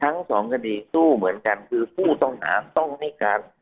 ทั้งสองคดีสู้เหมือนกันคือผู้ต้องหาต้องให้การ